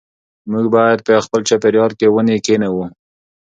موږ باید په خپل چاپېریال کې ونې کېنوو.